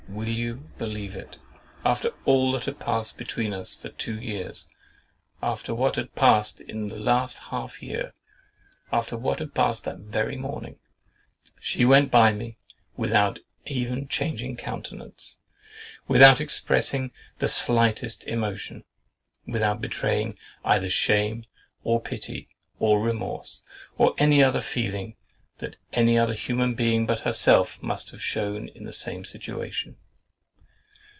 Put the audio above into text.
Will you believe it, after all that had past between us for two years, after what had passed in the last half year, after what had passed that very morning, she went by me without even changing countenance, without expressing the slightest emotion, without betraying either shame or pity or remorse or any other feeling that any other human being but herself must have shewn in the same situation.